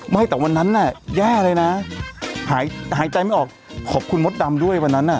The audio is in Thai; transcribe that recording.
ไม่แต่วันนั้นน่ะแย่เลยนะหายใจไม่ออกขอบคุณมดดำด้วยวันนั้นอ่ะ